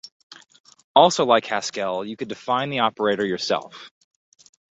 Also like Haskell you could define the operator yourself.